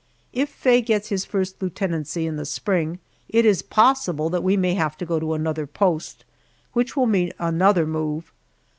If Faye gets his first lieutenancy in the spring, it is possible that we may have to go to another post, which will mean another move.